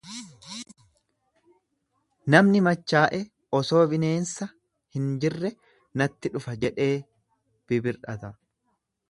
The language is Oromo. Namni machaa'e osoo bineensa hin jirre natti dhufe jedhee bibir'ata.